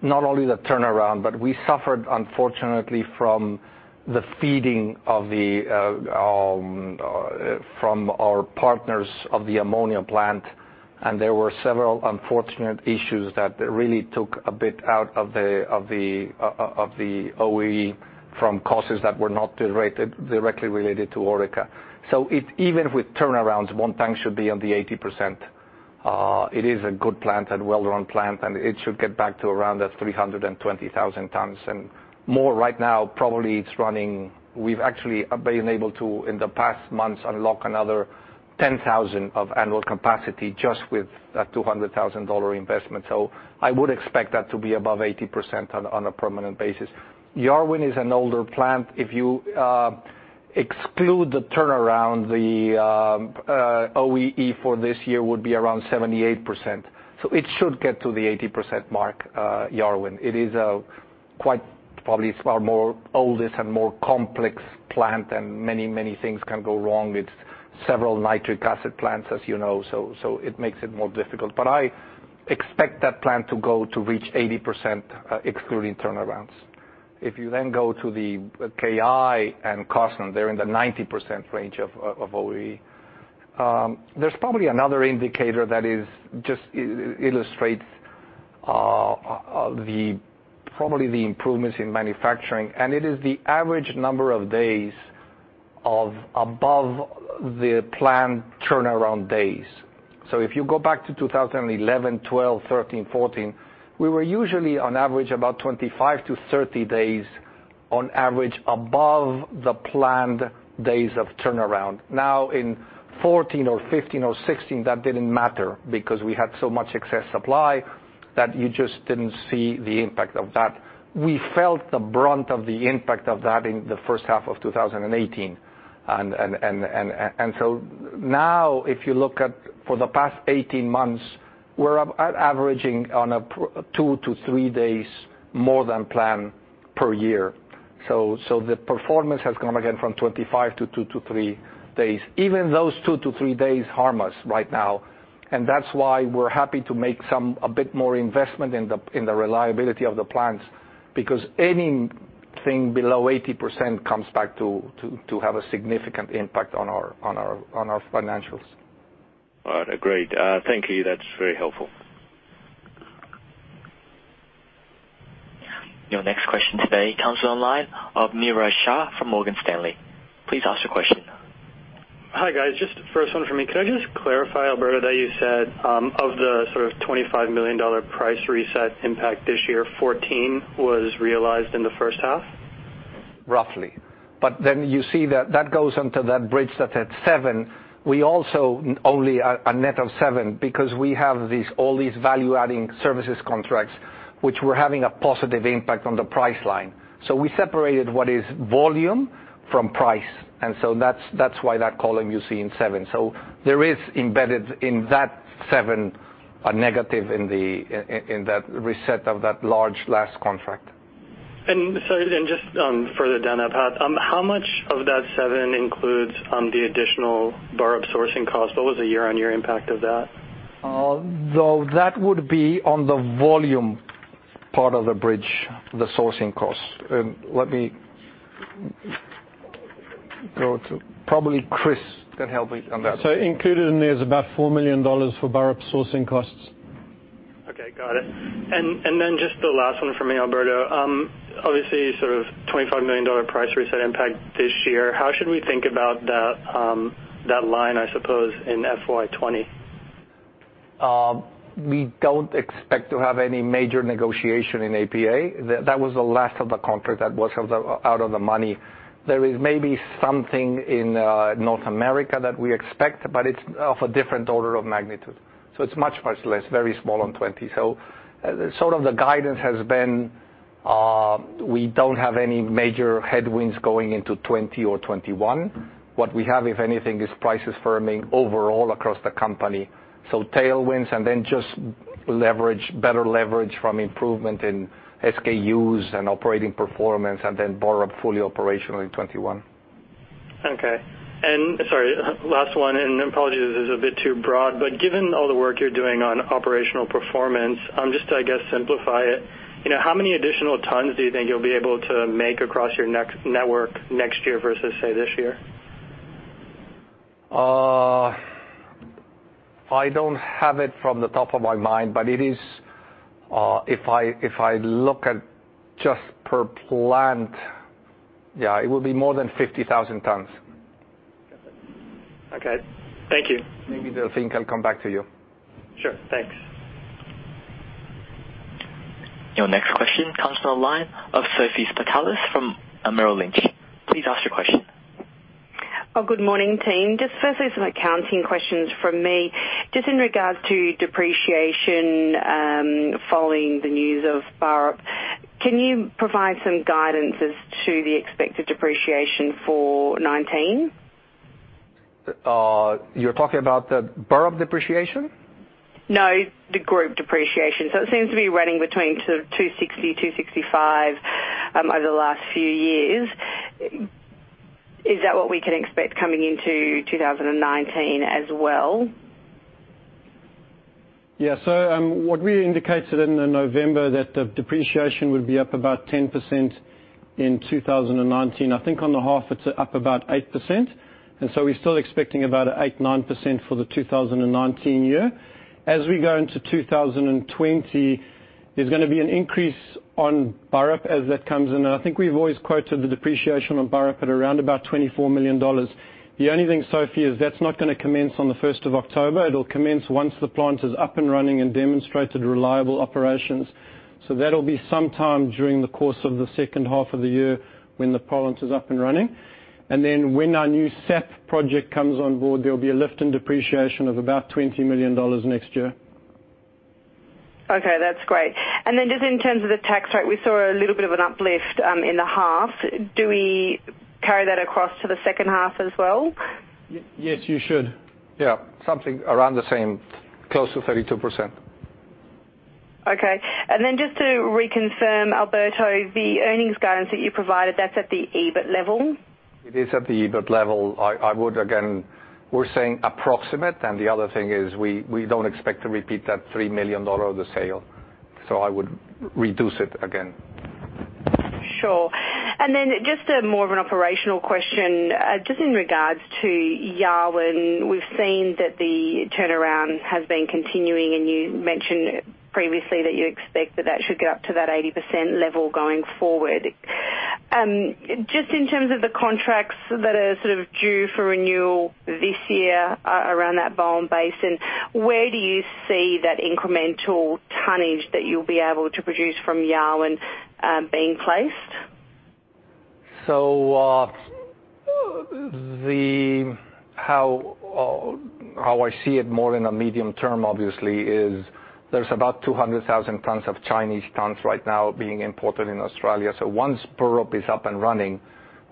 not only the turnaround, but we suffered unfortunately from the feeding from our partners of the ammonia plant, and there were several unfortunate issues that really took a bit out of the OEE from causes that were not directly related to Orica. Even with turnarounds, Bontang should be on the 80%. It is a good plant and well-run plant, and it should get back to around that 320,000 tons and more right now probably it's running. We've actually been able to, in the past months, unlock another 10,000 of annual capacity just with that 200,000 dollar investment. I would expect that to be above 80% on a permanent basis. Yarwun is an older plant. If you exclude the turnaround, the OEE for this year would be around 78%. It should get to the 80% mark, Yarwun. It is quite probably our more oldest and more complex plant and many things can go wrong. It's several nitric acid plants, as you know, so it makes it more difficult. I expect that plant to go to reach 80% excluding turnarounds. If you go to the KI and Carseland, they're in the 90% range of OEE. There's probably another indicator that just illustrates probably the improvements in manufacturing, and it is the average number of days of above the planned turnaround days. If you go back to 2011, 2012, 2013, 2014, we were usually on average about 25 to 30 days On average, above the planned days of turnaround. In 2014 or 2015 or 2016, that didn't matter because we had so much excess supply that you just didn't see the impact of that. We felt the brunt of the impact of that in the first half of 2018. Now, if you look at for the past 18 months, we're averaging on a two to three days more than plan per year. The performance has gone again from 25 to two to three days. Even those two to three days harm us right now, and that's why we're happy to make a bit more investment in the reliability of the plants, because anything below 80% comes back to have a significant impact on our financials. All right, agreed. Thank you. That's very helpful. Your next question today comes on the line of Niraj Shah from Morgan Stanley. Please ask your question. Hi, guys. Just the first one from me. Can I just clarify, Alberto, that you said, of the sort of 25 million dollar price reset impact this year, 14 was realized in the first half? Roughly. You see that goes into that bridge that's at 7. We also only a net of 7 because we have all these value-adding services contracts, which were having a positive impact on the price line. We separated what is volume from price. That's why that column you see in 7. There is embedded in that 7, a negative in that reset of that large last contract. Just further down that path, how much of that 7 includes the additional Burrup sourcing cost? What was the year-on-year impact of that? That would be on the volume part of the bridge, the sourcing cost. Let me go to Probably Chris can help me on that. Included in there is about 4 million dollars for Burrup sourcing costs. Okay, got it. Just the last one from me, Alberto. Obviously, sort of 25 million dollar price reset impact this year. How should we think about that line, I suppose, in FY 2020? We don't expect to have any major negotiation in APA. That was the last of the contract that was out of the money. There is maybe something in North America that we expect, but it's of a different order of magnitude. It's much, much less, very small on 2020. Sort of the guidance has been, we don't have any major headwinds going into 2020 or 2021. What we have, if anything, is prices firming overall across the company. Tailwinds, and then just better leverage from improvement in SKUs and operating performance, and then Burrup fully operational in 2021. Okay. Sorry, last one, apologies if this is a bit too broad, given all the work you're doing on operational performance, just to, I guess, simplify it, how many additional tons do you think you'll be able to make across your network next year versus, say, this year? I don't have it from the top of my mind, if I look at just per plant, yeah, it will be more than 50,000 tons. Okay. Thank you. Maybe the team can come back to you. Sure. Thanks. Your next question comes to the line of Sophie Spartalis from Merrill Lynch. Please ask your question. Good morning, team. Firstly, some accounting questions from me. In regards to depreciation, following the news of Burrup, can you provide some guidance as to the expected depreciation for 2019? You're talking about the Burrup depreciation? No, the group depreciation. It seems to be running between 260 million-265 million over the last few years. Is that what we can expect coming into 2019 as well? What we indicated in November that the depreciation would be up about 10% in 2019. I think on the half, it's up about 8%. We're still expecting about 8%-9% for the 2019 year. As we go into 2020, there's going to be an increase on Burrup as that comes in. I think we've always quoted the depreciation on Burrup at around about 24 million dollars. The only thing, Sophie, is that's not going to commence on the 1st of October. It'll commence once the plant is up and running and demonstrated reliable operations. That'll be sometime during the course of the second half of the year when the plant is up and running. When our single SAP project comes on board, there'll be a lift in depreciation of about 20 million dollars next year. Okay, that's great. Just in terms of the tax rate, we saw a little bit of an uplift in the half. Do we carry that across to the second half as well? Yes, you should. Yeah. Something around the same. Close to 32%. Okay. Just to reconfirm, Alberto, the earnings guidance that you provided, that's at the EBIT level? It is at the EBIT level. I would, again, we're saying approximate, the other thing is we don't expect to repeat that 3 million dollar of the sale. I would reduce it again. Sure. Just more of an operational question, just in regards to Yarwun, we've seen that the turnaround has been continuing, you mentioned previously that you expect that that should get up to that 80% level going forward. Just in terms of the contracts that are sort of due for renewal this year around that Bowen Basin, where do you see that incremental tonnage that you'll be able to produce from Yarwun being placed? How I see it more in a medium term, obviously, is there's about 200,000 tons of Chinese tons right now being imported in Australia. Once Burrup is up and running,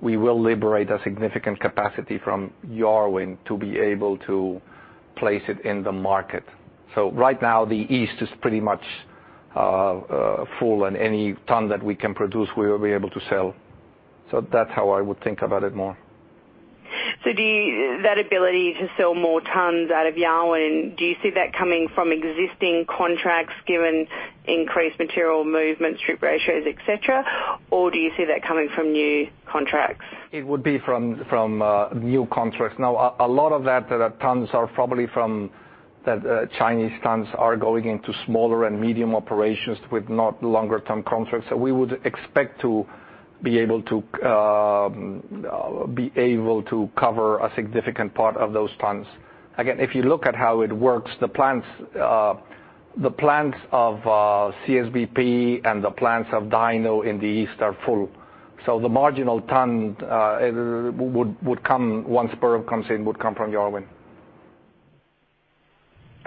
we will liberate a significant capacity from Yarwun to be able to place it in the market. Right now, the east is pretty much full, any ton that we can produce, we will be able to sell. That's how I would think about it more. That ability to sell more tons out of Yarwun, do you see that coming from existing contracts, given increased material movements, strip ratios, et cetera, or do you see that coming from new contracts? It would be from new contracts. A lot of the tons are probably from the Chinese that are going into smaller and medium operations with not longer-term contracts. We would expect to be able to cover a significant part of those tons. Again, if you look at how it works, the plants of CSBP and the plants of Dyno in the east are full. The marginal ton, once Burrup comes in, would come from Yarwun.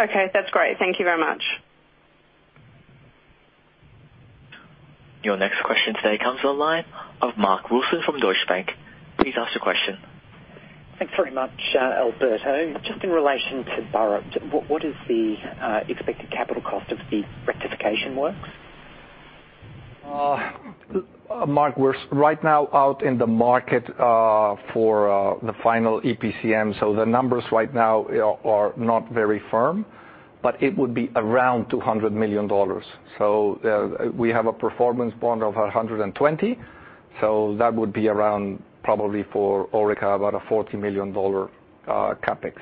Okay. That's great. Thank you very much. Your next question today comes on the line of Mark Wilson from Deutsche Bank. Please ask your question. Thanks very much, Alberto. Just in relation to Burrup, what is the expected capital cost of the rectification works? Mark, we're right now out in the market for the final EPCM. The numbers right now are not very firm, it would be around 200 million dollars. We have a performance bond of 120, that would be around, probably for Orica, about an 40 million dollar CapEx.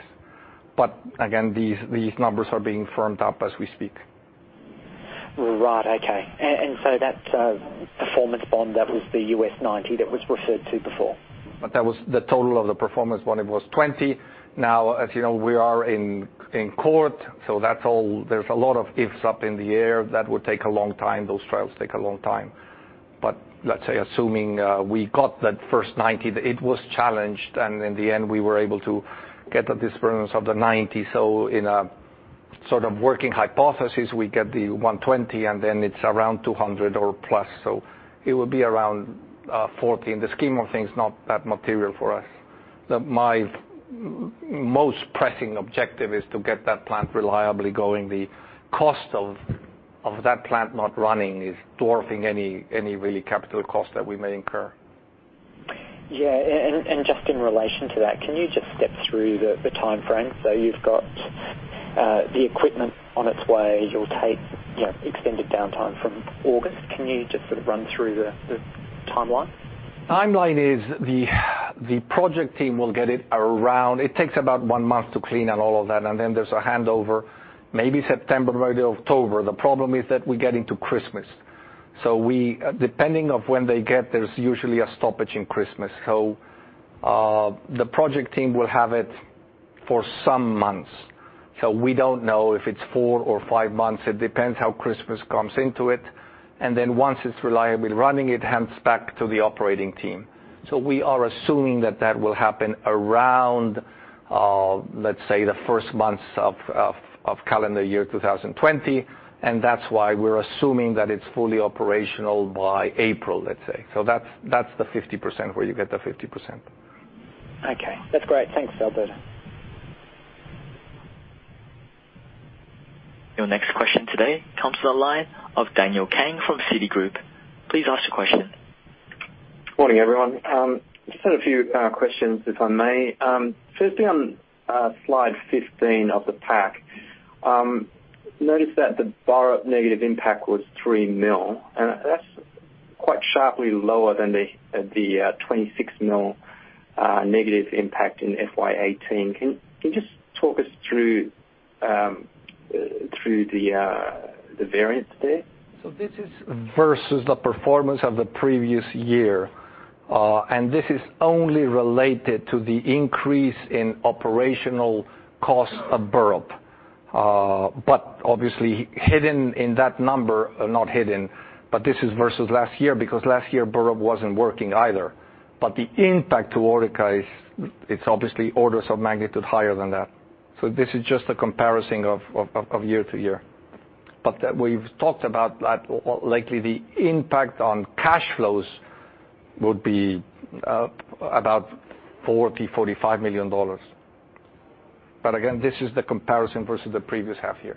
Again, these numbers are being firmed up as we speak. Right. Okay. That performance bond, that was the 90 that was referred to before? That was the total of the performance bond. It was 20. As you know, we are in court, there's a lot of ifs up in the air. That would take a long time. Those trials take a long time. Let's say, assuming we got that first 90, that it was challenged, and in the end, we were able to get the disbursements of the 90. In a sort of working hypothesis, we get the 120, and then it's around 200 or plus. It would be around 40. In the scheme of things, not that material for us. My most pressing objective is to get that plant reliably going. The cost of that plant not running is dwarfing any really capital cost that we may incur. Yeah. Just in relation to that, can you just step through the timeframe? You've got the equipment on its way. You'll take extended downtime from August. Can you just sort of run through the timeline? Timeline is the project team will get it. It takes about one month to clean and all of that, and then there's a handover, maybe September, maybe October. The problem is that we get into Christmas. Depending on when they get, there's usually a stoppage in Christmas. The project team will have it for some months. We don't know if it's four or five months. It depends how Christmas comes into it. Once it's reliably running, it hands back to the operating team. We are assuming that that will happen around, let's say, the first months of calendar year 2020, and that's why we're assuming that it's fully operational by April, let's say. That's the 50%, where you get the 50%. Okay. That's great. Thanks, Alberto. Your next question today comes on the line of Daniel Kang from Citigroup. Please ask your question. Morning, everyone. Just had a few questions, if I may. Just on slide 15 of the pack. Noticed that the Burrup negative impact was 3 million, and that's quite sharply lower than the 26 million negative impact in FY 2018. Can you just talk us through the variance there? This is versus the performance of the previous year. This is only related to the increase in operational cost of Burrup. Obviously, this is versus last year, because last year, Burrup wasn't working either. The impact to Orica is, it is obviously orders of magnitude higher than that. This is just a comparison of year to year. We have talked about that likely the impact on cash flows would be about 40 million-45 million dollars. Again, this is the comparison versus the previous half year.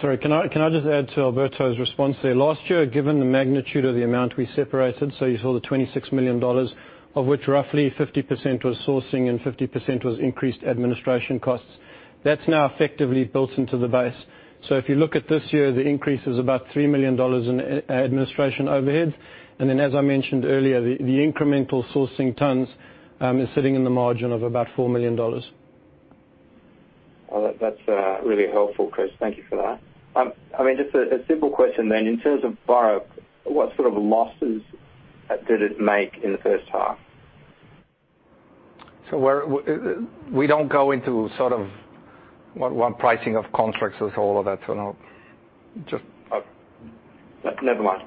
Sorry, can I just add to Alberto's response there? Last year, given the magnitude of the amount we separated, you saw the 26 million dollars, of which roughly 50% was sourcing and 50% was increased administration costs. That is now effectively built into the base. If you look at this year, the increase is about 3 million dollars in administration overhead. As I mentioned earlier, the incremental sourcing tons is sitting in the margin of about 4 million dollars. That is really helpful, Chris. Thank you for that. Just a simple question then. In terms of Burrup, what sort of losses did it make in the first half? We do not go into sort of one pricing of contracts as all of that. Never mind.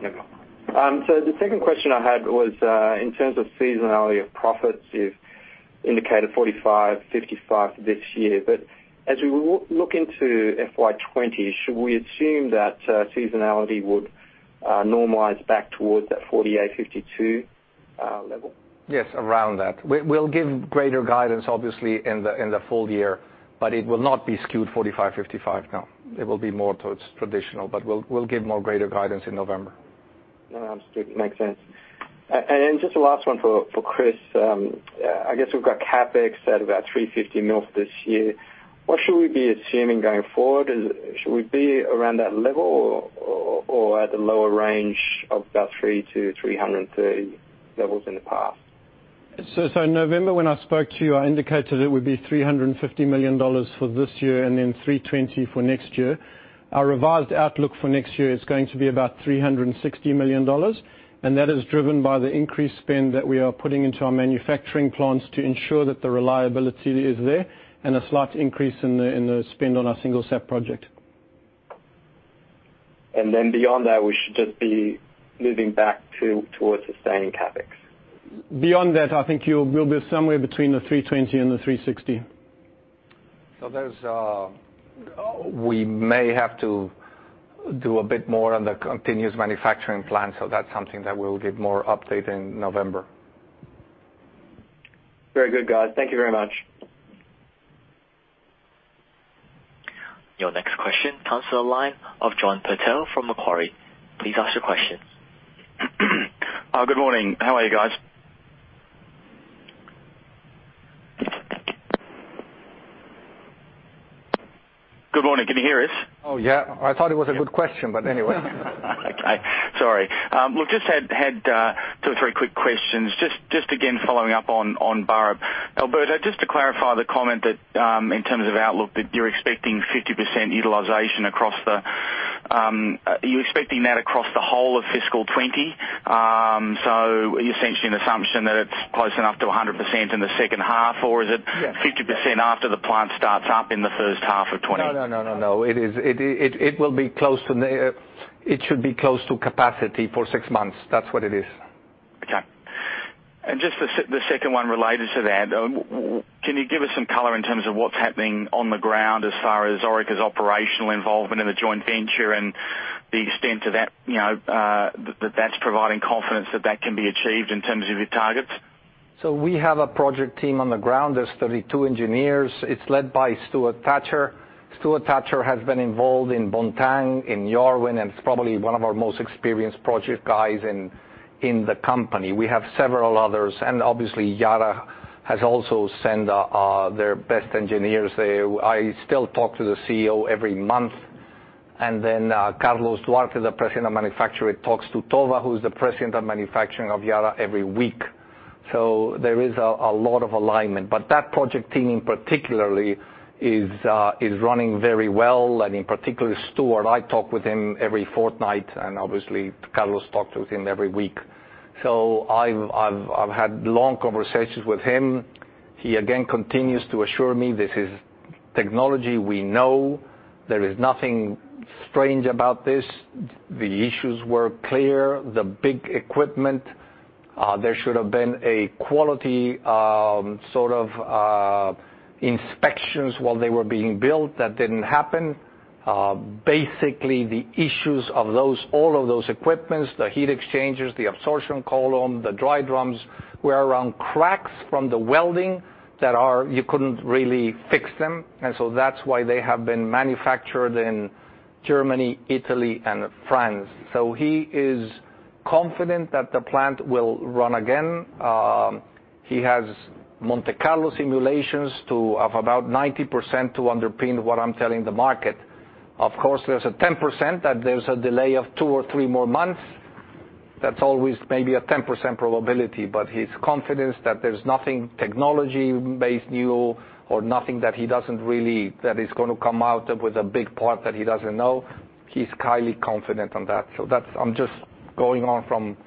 The second question I had was, in terms of seasonality of profits, you've indicated 45/55 for this year. As we look into FY 2020, should we assume that seasonality would normalize back towards that 48/52 level? Yes, around that. We'll give greater guidance, obviously, in the full year, it will not be skewed 45/55, no. It will be more towards traditional, we'll give more greater guidance in November. No, absolutely. Makes sense. Just the last one for Chris. I guess we've got CapEx at about 350 million this year. What should we be assuming going forward? Should we be around that level or at the lower range of about 300 million-330 million levels in the past? In November, when I spoke to you, I indicated it would be 350 million dollars for this year and then 320 million for next year. Our revised outlook for next year is going to be about 360 million dollars, and that is driven by the increased spend that we are putting into our manufacturing plants to ensure that the reliability is there and a slight increase in the spend on our single SAP project. Beyond that, we should just be moving back towards sustaining CapEx. Beyond that, I think we'll be somewhere between the 320 million and the 360 million. We may have to do a bit more on the continuous manufacturing plan, so that's something that we'll give more update in November. Very good, guys. Thank you very much. Your next question comes to the line of John Purtell from Macquarie. Please ask your question. Good morning. How are you guys? Good morning. Can you hear us? Oh, yeah. I thought it was a good question, but anyway. Okay. Sorry. Look, just had two or three quick questions. Just again, following up on Burrup. Alberto, just to clarify the comment that in terms of outlook, that you're expecting 50% utilization. Are you expecting that across the whole of FY 2020? Are you essentially an assumption that it's close enough to 100% in the second half, or is it- Yeah 50% after the plant starts up in the first half of 2020? No. It should be close to capacity for six months. That's what it is. Okay. Just the second one related to that, can you give us some color in terms of what's happening on the ground as far as Orica's operational involvement in the joint venture and the extent of that that's providing confidence that can be achieved in terms of your targets? We have a project team on the ground. There's 32 engineers. It's led by Stuart Thatcher. Stuart Thatcher has been involved in Bontang, in Yarwun, and is probably one of our most experienced project guys in the company. We have several others, and obviously Yara has also sent their best engineers. I still talk to the CEO every month. Carlos Duarte, the President of Manufacture, talks to Tove, who's the President of Manufacturing of Yara, every week. There is a lot of alignment. That project team particularly is running very well. In particular, Stuart, I talk with him every fortnight, and obviously Carlos talks with him every week. I've had long conversations with him. He again continues to assure me this is technology we know. There is nothing strange about this. The issues were clear. The big equipment, there should have been a quality sort of inspections while they were being built. That didn't happen. Basically, the issues of all of those equipments, the heat exchangers, the absorption column, the dry drums, were around cracks from the welding that you couldn't really fix them. That's why they have been manufactured in Germany, Italy, and France. He is confident that the plant will run again. He has Monte Carlo simulations of about 90% to underpin what I'm telling the market. Of course, there's a 10% that there's a delay of two or three more months. That's always maybe a 10% probability, but he's confident that there's nothing technology-based new or nothing that he doesn't really that is going to come out with a big part that he doesn't know. He's highly confident on that. I'm just going on from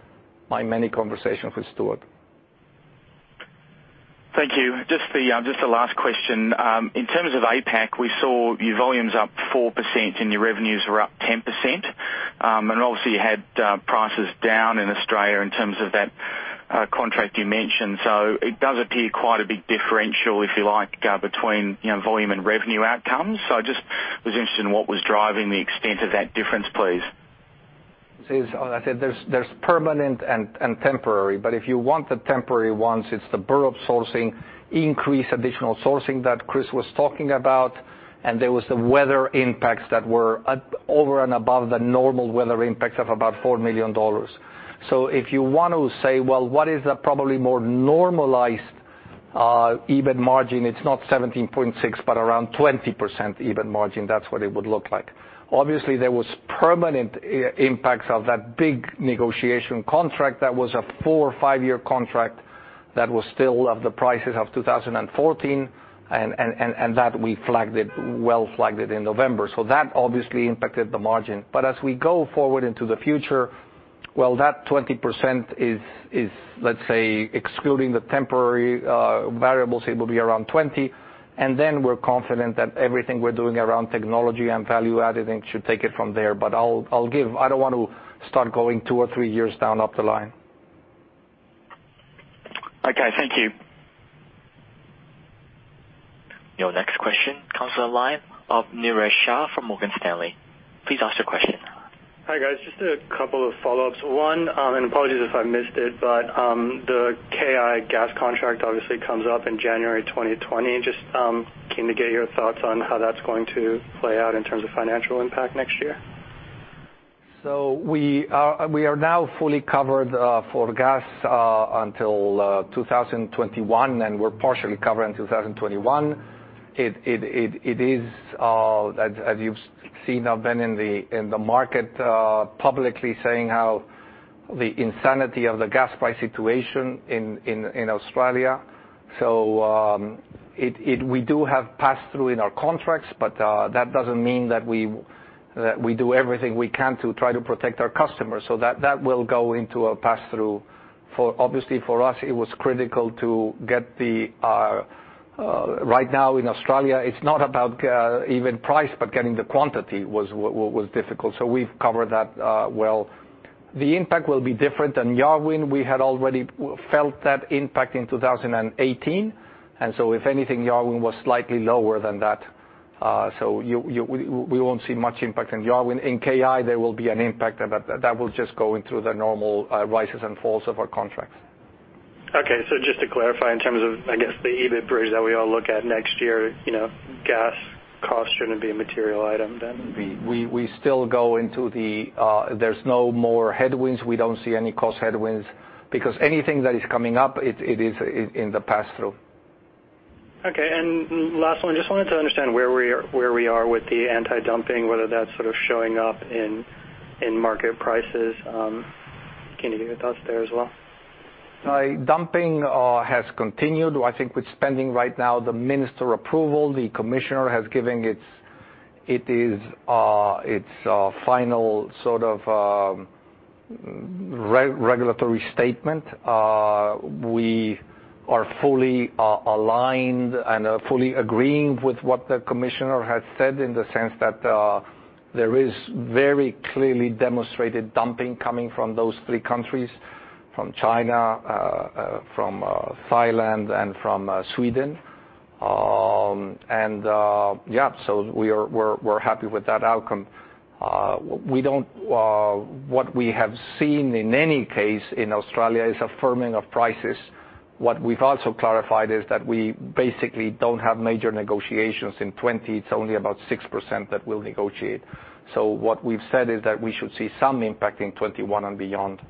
my many conversations with Stewart. Thank you. Just the last question. In terms of APAC, we saw your volumes up 4% and your revenues were up 10%. Obviously, you had prices down in Australia in terms of that contract you mentioned. It does appear quite a big differential, if you like, between volume and revenue outcomes. I just was interested in what was driving the extent of that difference, please. There's permanent and temporary, but if you want the temporary ones, it's the Burrup sourcing, increased additional sourcing that Chris was talking about, and there was the weather impacts that were over and above the normal weather impact of about 4 million dollars. If you want to say, well, what is the probably more normalized EBIT margin? It's not 17.6, but around 20% EBIT margin. That's what it would look like. Obviously, there was permanent impacts of that big negotiation contract that was a four or five-year contract that was still of the prices of 2014, and that we well flagged it in November. That obviously impacted the margin. As we go forward into the future, that 20% is, let's say, excluding the temporary variables, it will be around 20. We're confident that everything we're doing around technology and value adding should take it from there. I don't want to start going two or three years down up the line. Okay, thank you. Your next question comes to the line of Niraj Shah from Morgan Stanley. Please ask your question. Hi, guys. Just a couple of follow-ups. One, apologies if I missed it, the KI gas contract obviously comes up in January 2020. Just came to get your thoughts on how that's going to play out in terms of financial impact next year. We are now fully covered for gas until 2021. We are partially covered in 2021. It is, as you've seen, I have been in the market publicly saying how the insanity of the gas price situation in Australia. We do have pass-through in our contracts, but that doesn't mean that we do everything we can to try to protect our customers. That will go into a pass-through. Obviously, for us, it was critical to get the. Right now in Australia, it's not about even price, but getting the quantity was what was difficult. We have covered that well. The impact will be different. In Yarwun, we had already felt that impact in 2018. If anything, Yarwun was slightly lower than that. We won't see much impact in Yarwun. In KI, there will be an impact, but that will just go into the normal rises and falls of our contracts. Okay. Just to clarify in terms of, I guess, the EBIT bridge that we all look at next year, gas cost shouldn't be a material item then? There's no more headwinds. We don't see any cost headwinds because anything that is coming up, it is in the pass-through. Okay. Last one, just wanted to understand where we are with the anti-dumping, whether that's sort of showing up in market prices. Can you give your thoughts there as well? Dumping has continued. I think with spending right now, the minister approval, the commissioner has given its final sort of regulatory statement. We are fully aligned and are fully agreeing with what the commissioner has said in the sense that there is very clearly demonstrated dumping coming from those three countries, from China, from Thailand and from Sweden. Yeah, we're happy with that outcome. What we have seen in any case in Australia is a firming of prices. What we've also clarified is that we basically don't have major negotiations in 2020. It's only about 6% that we'll negotiate. What we've said is that we should see some impact in 2021 and beyond.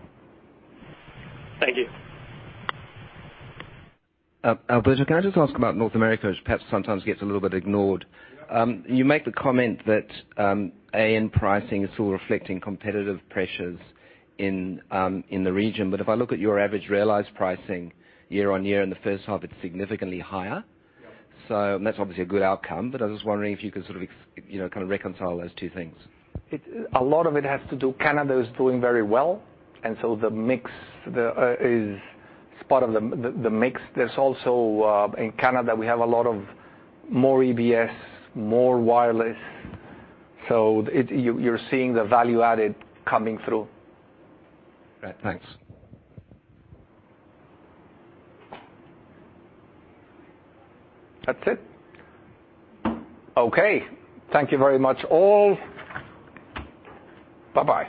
Thank you. Alberto, can I just ask about North America, which perhaps sometimes gets a little bit ignored? Yeah. You make the comment that AN pricing is still reflecting competitive pressures in the region. If I look at your average realized pricing year-on-year in the first half, it's significantly higher. Yeah. That's obviously a good outcome, but I was just wondering if you could sort of, kind of reconcile those two things. A lot of it has to do, Canada is doing very well, it's part of the mix. There's also, in Canada, we have a lot of more EBS, more wireless. You're seeing the value added coming through. Great. Thanks. That's it. Okay. Thank you very much, all. Bye-bye